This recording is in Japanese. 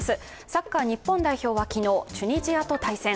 サッカー日本代表は昨日チュニジアと対戦。